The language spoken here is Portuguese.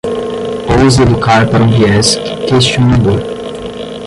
Ouse educar para um viés questionador